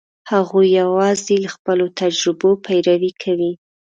هغوی یواځې له خپلو تجربو پیروي کوي.